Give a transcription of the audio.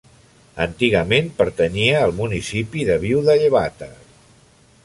Antigament pertanyia al municipi de Viu de Llevata.